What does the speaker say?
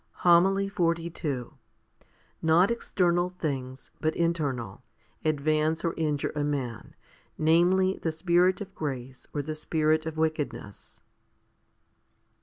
1 Luke xiv. n. HOMILY XLII Not external things, but internal, advance or injure a man, namely the Spirit of grace or the spirit of wickedness.